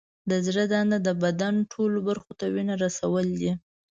د زړه دنده د بدن ټولو برخو ته وینه رسول دي.